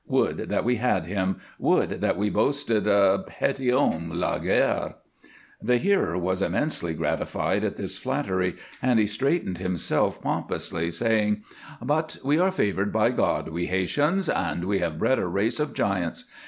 Would that we had him; would that we boasted a Petithomme Laguerre." The hearer was immensely gratified at this flattery and he straightened himself pompously, saying: "But we are favored by God, we Haytians, and we have bred a race of giants.